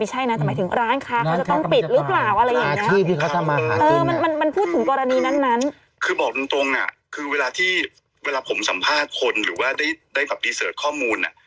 หรือว่าได้แบบดีเสิร์ชข้อมูล